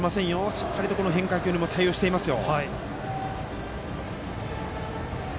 しっかりと変化球にも対応していますよ。